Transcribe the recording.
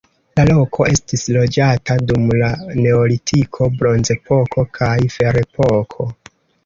La loko estis loĝata dum la neolitiko, bronzepoko kaj ferepoko.